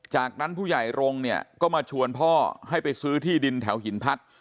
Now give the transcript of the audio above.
จากนั้นผู้ใหญ่รงค์เนี่ยก็มาชวนพ่อให้ไปซื้อที่ดินแถวหินพัด